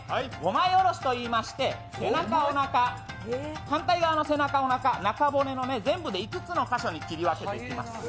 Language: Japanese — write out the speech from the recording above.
５枚おろしと言いまして、背中、おなか、反対側の背中、おなか中骨の全部で５つの箇所に切り分けていきます。